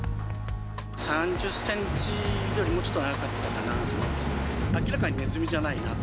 ３０センチより、もうちょっと長かったかなと思います。